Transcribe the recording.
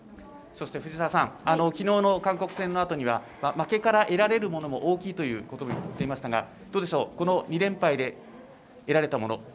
そして、藤澤さんきのうの韓国戦のあとには負けから得られるものも大きいと言っておられましたがこの２連敗で得られたもの